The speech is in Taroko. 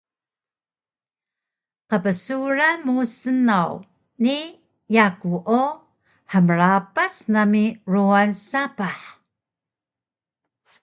Qbsuran mu snaw ni yaku o hmrapas nami ruwan sapah